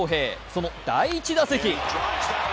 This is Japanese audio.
その第１打席。